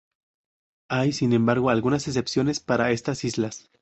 Hay, sin embargo, algunas excepciones para estas islas.